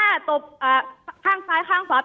แต่คุณยายจะขอย้ายโรงเรียน